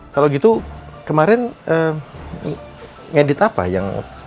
kalau gitu kemarin ngedit apa yang